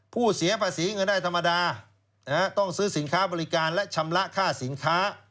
เสียภาษีเงินได้ธรรมดาต้องซื้อสินค้าบริการและชำระค่าสินค้า